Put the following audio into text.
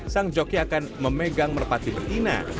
sang joki akan memegang merpati betina